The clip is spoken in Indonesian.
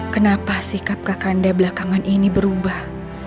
kenapa sikap kak kanda belakangan ini berubah